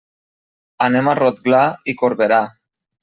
Anem a Rotglà i Corberà.